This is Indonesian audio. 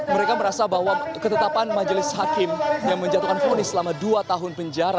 mereka merasa bahwa ketetapan majelis hakim yang menjatuhkan fonis selama dua tahun penjara